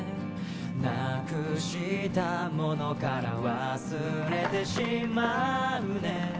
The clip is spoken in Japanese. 失くしたものから忘れてしまうね